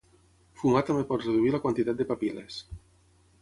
Fumar també pot reduir la quantitat de papil·les.